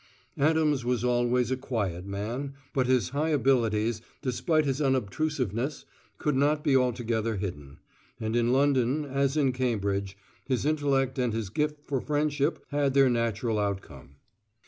Adams was always a quiet man, but his high abilities, despite his unobtrusiveness, could not be altogether hidden; and in London, as in Cambridge, his intellect and his gift for friendship had their natural outcome.